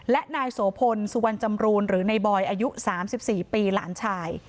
และนายโสพลสุวรรณจำรูนหรือในบอยอายุ๓๔ปีหลานชาย